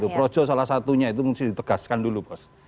projo salah satunya itu mesti ditegaskan dulu bos